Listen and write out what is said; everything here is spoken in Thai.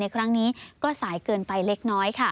ครั้งนี้ก็สายเกินไปเล็กน้อยค่ะ